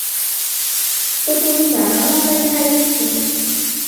তো তুমি জানো না আমরা কী হারিয়েছি।